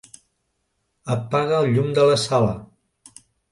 Apaga el llum de la sala.